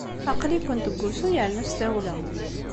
Aql-ikent deg wusu yerna s tawla.